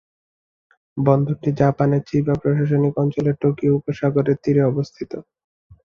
বন্দরটি জাপানের চিবা প্রশাসনিক অঞ্চলে টোকিও উপসাগরের তীরে অবস্থিত।